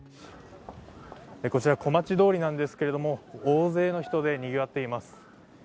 こちら小町通りなんですけれども大勢の人でにぎわっています。